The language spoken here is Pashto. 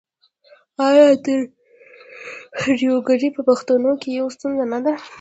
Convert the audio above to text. آیا تربورګلوي په پښتنو کې یوه ستونزه نه ده؟